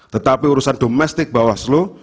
tetapi urusan domestik bawaslu